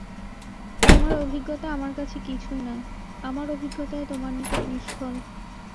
তোমার অভিজ্ঞতা আমার কাছে কিছুই নয়, আমার অভিজ্ঞতাও তোমর নিকট নিষ্ফল।